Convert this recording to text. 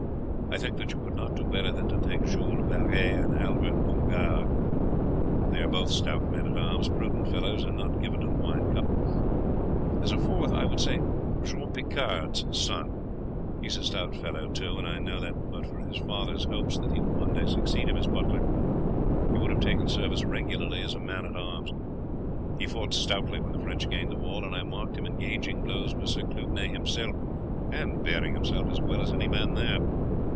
I think that you could not do better than take Jules Varey and Albert Bongarde. They are both stout men at arms, prudent fellows, and not given to the wine cup. As a fourth I would say Jean Picard's son; he is a stout fellow too, and I know that, but for his father's hopes that he will one day succeed him as butler, he would have taken service regularly as a man at arms. He fought stoutly when the French gained the wall, and I marked him exchanging blows with Sir Clugnet himself, and bearing himself as well as any man there.